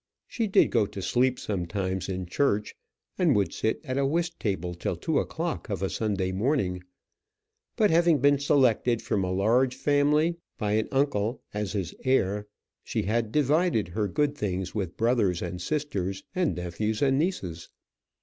She did go to sleep sometimes in church, and would sit at a whist table till two o'clock of a Sunday morning; but having been selected from a large family by an uncle as his heir, she had divided her good things with brothers and sisters, and nephews and nieces.